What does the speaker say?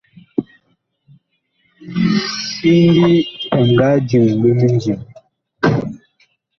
Siŋgi ɛ nga diŋ ɓe mindim.